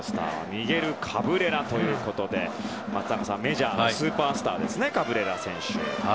ミゲル・カブレラということで松坂さん、メジャーのスーパースターですね、カブレラ選手。